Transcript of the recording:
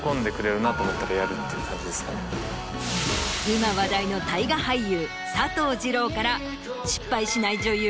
今話題の大河俳優佐藤二朗から失敗しない女優